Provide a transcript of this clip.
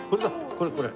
これこれ。